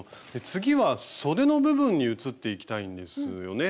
次はそでの部分に移っていきたいんですよね？